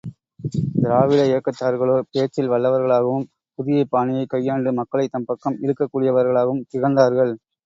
திராவிட இயக்கத்தர்களோ, பேச்சில் வல்லவர்களாகவும், புதிய பாணியைக் கையாண்டு மக்களைத் தம் பக்கம் இழுக்கக்கூடியவர்களாகவும் திகழ்ந்தார்கள்.